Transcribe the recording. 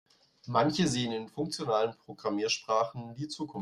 Manche sehen in funktionalen Programmiersprachen die Zukunft.